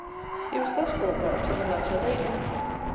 He was thus brought back to the latter lady.